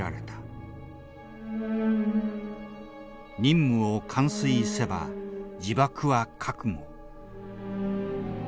「任務を完遂せば自爆は覚悟」。